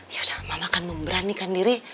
yaudah mama akan memberanikan diri